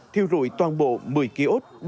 thiêu rụi toàn bộ một mươi ký ốt